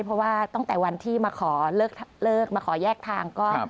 เพราะว่าตั้งแต่วันที่มาขอเลิกมาขอแยกทางก็